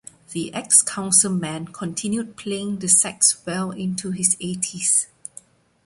The ex-councilman continued playing the sax well into his eighties.